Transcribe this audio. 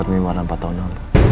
r lima puluh empat tahun lalu